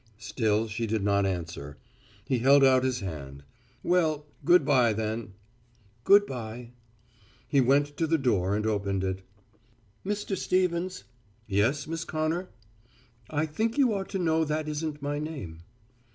Still she did not answer. He held out his hand. "Well, good bye, then." "Good bye." He went to the door and opened it. "Mr. Stevens." "Yes, Miss Connor." "I think you ought to know that isn't my name."